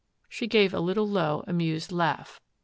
She gave a little low, amused laugh.